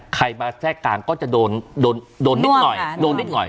ใครมาแทรกกลางก็จะโดนโดนนิดหน่อยโดนนิดหน่อย